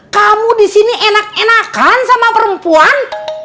kamu disini enak enakan sama perempuan